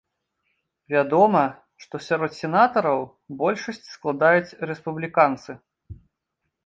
Вядома, што сярод сенатараў большасць складаюць рэспубліканцы.